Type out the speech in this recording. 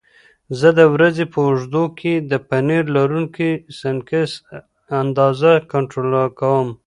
زه د ورځې په اوږدو کې د پنیر لرونکي سنکس اندازه کنټرول کوم.